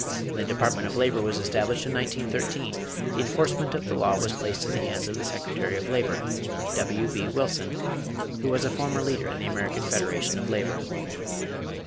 When the Department of Labor was established in 1913 the enforcement of the law was placed in the hands of the Secretary of Labor, W.B. Wilson, who was a former leader in the American Federation of Labor.